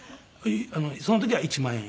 その時は１万円。